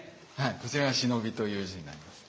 こちらが「忍」という字になります。